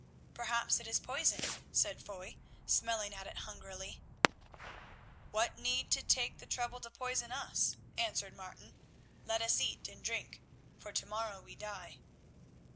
"Perhaps it is poisoned," said Foy, smelling at it hungrily. "What need to take the trouble to poison us?" answered Martin. "Let us eat and drink, for to morrow we die."